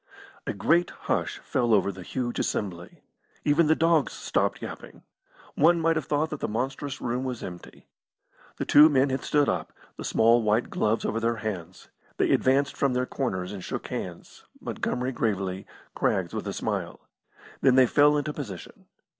A great hush fell over the huge assembly. Even the dogs stopped yapping; one might have thought that the monstrous room was empty. The two men had stood up, the small white gloves over their hands They advanced from their corners and shook hands, Montgomery gravely, Craggs with a smile. Then they fell into position.